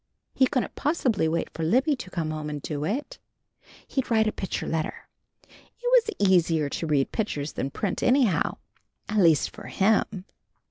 He couldn't possibly wait for Libby to come home and do it. He'd write a picture letter. It was easier to read pictures than print, anyhow. At least for him.